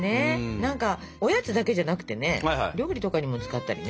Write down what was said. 何かおやつだけじゃなくてね料理とかにも使ったりね。